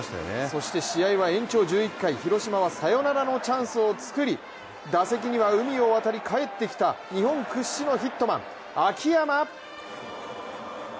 そして試合は延長１１回、広島はサヨナラのチャンスを作り打席には海を渡り帰ってきた日本屈指のヒットマン、秋山。